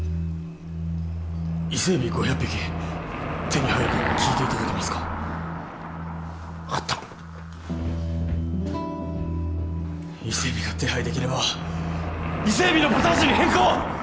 伊勢エビ５００匹手に入るか聞いていただけますか分かった伊勢エビが手配できれば伊勢エビのポタージュに変更！